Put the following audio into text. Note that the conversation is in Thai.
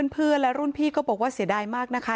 เพื่อนและรุ่นพี่ก็บอกว่าเสียดายมากนะคะ